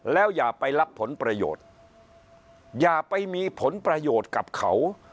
แล้วอย่าไปรับผลประโยชน์อย่าไปมีผลประโยชน์กับเขา